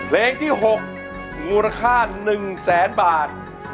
เพลงที่๖มูลค่า๑แสนบาท